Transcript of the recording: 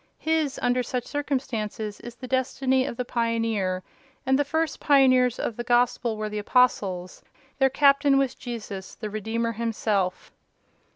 His, under such circumstances, is the destiny of the pioneer; and the first pioneers of the Gospel were the Apostles—their captain was Jesus, the Redeemer, Himself."